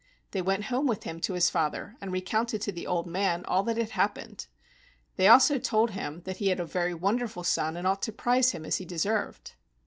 They went home with him to his father and recounted to the old man all that had happened. They also told him he had a very wonderful son and ought to prize him as he deserved.